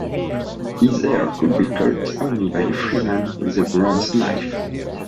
His hair could be cut only by a free man with a bronze knife.